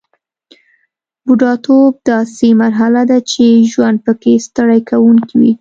بوډاتوب داسې مرحله ده چې ژوند پکې ستړي کوونکی وي